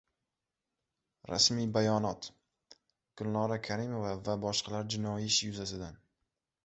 Rasmiy bayonot: Gulnora Karimova va boshqalar jinoiy ishi yuzasidan